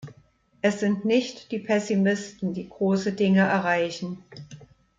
Es sind nicht die Pessimisten, die große Dinge erreichen.